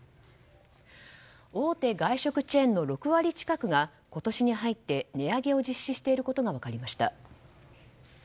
大手外食チェーンの６割近くが今年に入って値上げを実施していることが分かりました。